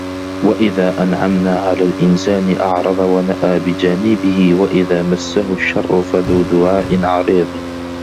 وَإِذا أَنعَمنا عَلَى الإِنسانِ أَعرَضَ وَنَأى بِجانِبِهِ وَإِذا مَسَّهُ الشَّرُّ فَذو دُعاءٍ عَريضٍ